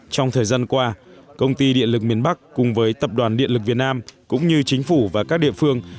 trong thời gian qua công ty điện lực miền bắc cùng với tập đoàn điện lực việt nam cũng như chính phủ và các địa phương